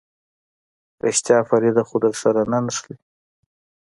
رښتيا فريده خو درسره نه نښلي.